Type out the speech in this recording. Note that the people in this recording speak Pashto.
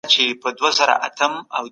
بوټونه باید د پښې په اندازه وي.